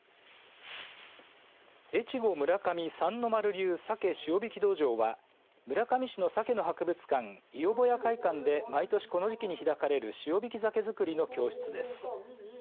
越後村上三ノ丸流鮭塩引き道場は村上市のサケの博物館イヨボヤ会館で毎年この時期に開かれる塩引き鮭づくりの教室です。